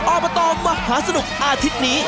ออบาทบดต่อมหาสนุกอาทิตย์นี้